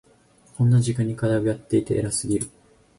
こんな時間に課題をやっていて偉すぎる。